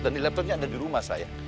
dan laptopnya ada di rumah saya